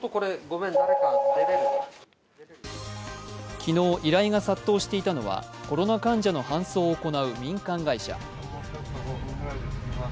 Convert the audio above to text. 昨日、依頼が殺到していたのはコロナ患者の搬送を行う民間会社。